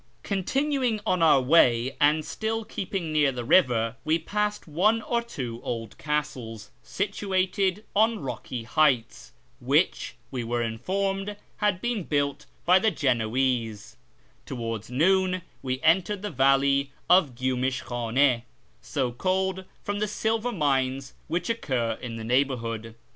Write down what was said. Continuing on our way, and still keeping near the river, we passed one or two old castles, situated on rocky heights, which, we were informed, had been built by the Genoese Towards noon we entered the valley of Gyumish Ivhane, so called from the silver mines which occur in the neighbourhood.